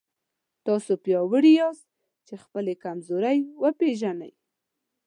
تاسو پیاوړي یاست که خپلې کمزورۍ وپېژنئ.